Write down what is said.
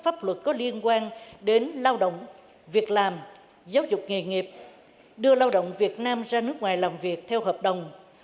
pháp luật có liên quan đến lao động việc làm giáo dục nghề nghiệp đưa lao động việt nam ra nước ngoài làm việc theo hợp đồng